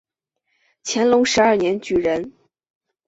乾隆十二年举人。